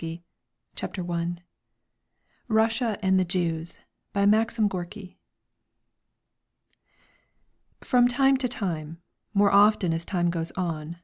_ THE SHIELD RUSSIA AND THE JEWS BY MAXIM GORKY From time to time more often as time goes on!